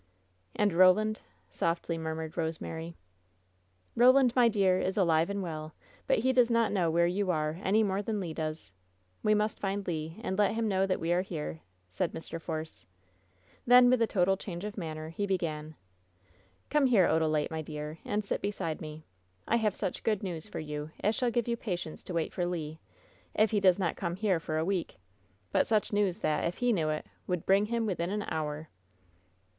"And — Roland?" softly murmured Rosemary. "Roland, my dear, is alive and well, but he does not know where you are any more than Le does. We must find Le and let him know that we are here," said Mr. Force. Then, with a total change of manner, he began: "Come here, Odalite, my dear, and sit beside me. *I have such good news for you as shall give you patience to wait for Le, if he does not come here for a week. But such news that, if he knew it, would bring him within an hour!"